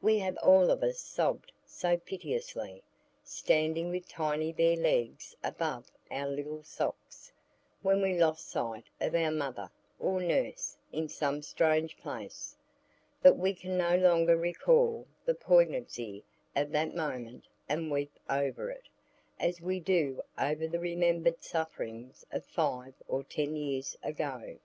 We have all of us sobbed so piteously, standing with tiny bare legs above our little socks, when we lost sight of our mother or nurse in some strange place; but we can no longer recall the poignancy of that moment and weep over it, as we do over the remembered sufferings of five or ten years ago.